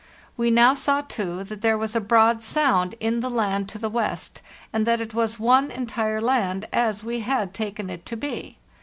We now saw, too, that there was a broad sound in the land to the west,* and that it was one entire land, as we had taken it to be.